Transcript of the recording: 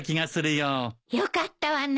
よかったわね。